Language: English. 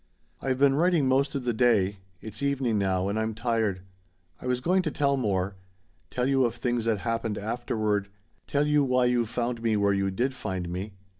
"I've been writing most of the day. It's evening now, and I'm tired. I was going to tell more. Tell you of things that happened afterward tell you why you found me where you did find me.